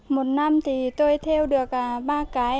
một năm thì tôi theo được ba cái